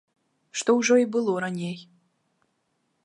Што ўжо і было раней.